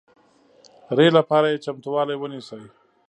ري لپاره یې چمتوالی ونیسئ